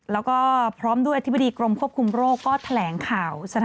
แล้วก็พร้อมด้วยอธิบดีกรมควบคุมโรคก็แถลงข่าว